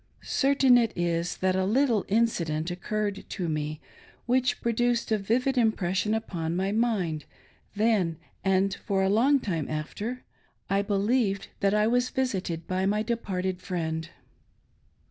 Certain it is' that a little incident occurred to me, which produced a vivid impres sion upon my mind, then and for a long time after. I believed that I was visited by my departed friend.